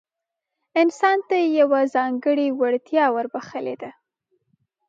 انسان ته يې يوه ځانګړې وړتيا وربښلې ده.